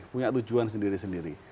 punya tujuan sendiri sendiri